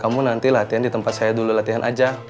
kamu nanti latihan di tempat saya dulu latihan aja